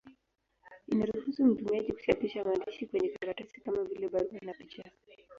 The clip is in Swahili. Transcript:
Inaruhusu mtumiaji kuchapisha maandishi kwenye karatasi, kama vile barua na picha.